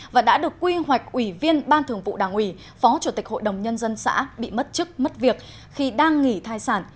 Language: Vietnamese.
và đã được quy hoạch ủy viên ban thường vụ đảng ủy phó chủ tịch hội đồng nhân dân xã bị mất chức mất việc khi đang nghỉ thai sản